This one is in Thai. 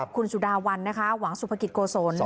คุณสุดาวันนะคะหวังสุภกิจโกศล